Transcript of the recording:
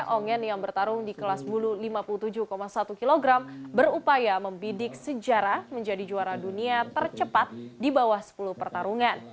ongen yang bertarung di kelas bulu lima puluh tujuh satu kg berupaya membidik sejarah menjadi juara dunia tercepat di bawah sepuluh pertarungan